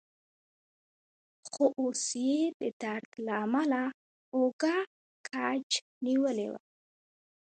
خو اوس يې د درد له امله اوږه کج نیولې وه.